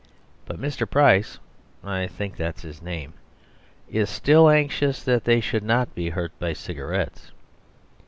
But Mr. Price (I think that's his name) is still anxious that they should not be hurt by cigarettes.